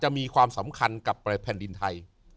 มีความสำคัญกับแผ่นดินไทย